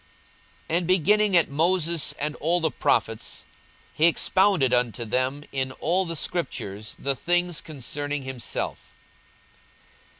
42:024:027 And beginning at Moses and all the prophets, he expounded unto them in all the scriptures the things concerning himself.